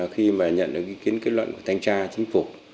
khi mà nhận được ý kiến kết luận của thanh tra chính phủ